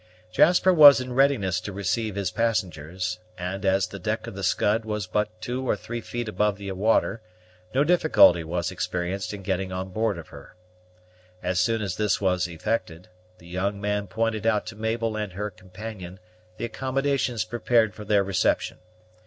Jasper was in readiness to receive his passengers; and, as the deck of the Scud was but two or three feet above the water, no difficulty was experienced in getting on board of her. As soon as this was effected, the young man pointed out to Mabel and her companion the accommodations prepared for their reception.